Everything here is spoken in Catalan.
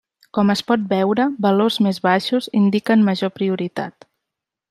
Com es pot veure, valors més baixos indiquen major prioritat.